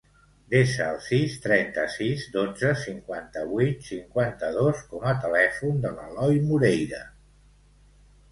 Desa el sis, trenta-sis, dotze, cinquanta-vuit, cinquanta-dos com a telèfon de l'Eloi Moreira.